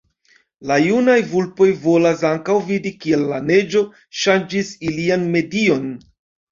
La junaj vulpoj volas ankaŭ vidi kiel la neĝo ŝanĝis ilian medion.